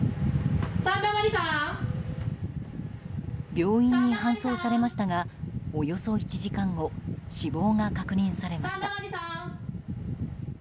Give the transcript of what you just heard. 病院に搬送されましたがおよそ１時間後死亡が確認されました。